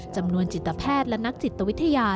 จำนวนจิตแพทย์และนักจิตวิทยา